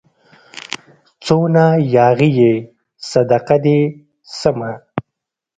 څونه ياغي يې صدقه دي سمه